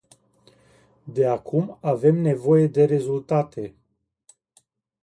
De acum avem nevoie de rezultate.